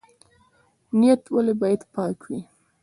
نیت ولې باید پاک وي؟